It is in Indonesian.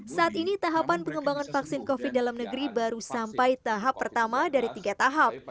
saat ini tahapan pengembangan vaksin covid dalam negeri baru sampai tahap pertama dari tiga tahap